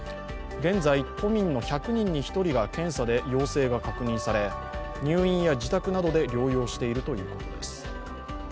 現在、都民の１００人に１人が検査で陽性が確認され、入院や自宅などで療養しているということです。